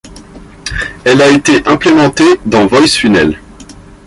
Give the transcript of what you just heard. Elle a été implémentée dans Voice Funnel.